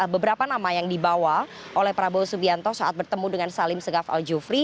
beberapa nama yang dibawa oleh prabowo subianto saat bertemu dengan salim segaf al jufri